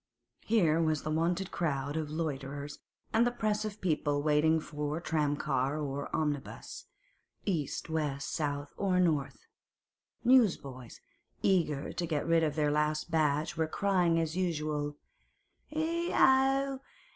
Here was the wonted crowd of loiterers and the press of people waiting for tramcar or omnibus—east, west, south, or north; newsboys, eager to get rid of their last batch, were crying as usual, 'Ech ow!